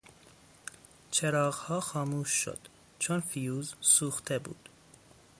چراغها خاموش شد چون فیوز سوخته بود.